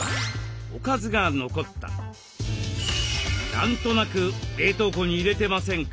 何となく冷凍庫に入れてませんか？